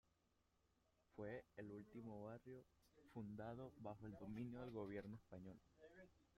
Fue el último barrio fundado bajo el dominio del gobierno español.